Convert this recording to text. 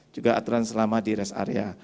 juga aturan selama di rest area